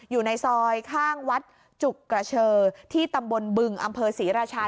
อยู่ในซอยข้างวัดจุกกระเชอที่ตำบลบึงอำเภอศรีราชา